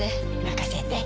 任せて。